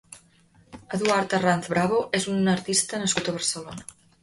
Eduard Arranz Bravo és un artista nascut a Barcelona.